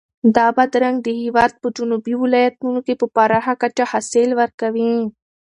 دا بادرنګ د هېواد په جنوبي ولایتونو کې په پراخه کچه حاصل ورکوي.